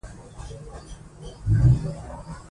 ژوند د انسان د وجدان تر سیوري لاندي ښه تېرېږي.